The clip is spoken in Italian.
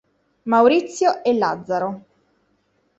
Maurizio e Lazzaro.